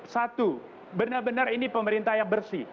satu benar benar ini pemerintah yang bersih